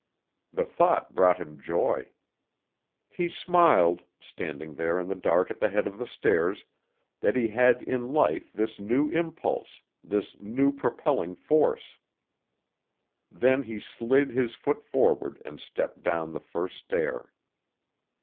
The thought brought him joy. He smiled, standing there in the dark at the head of the stairs, that he had in life this new impulse this new propelling force. Then he slid his foot forward and stepped down the first stair.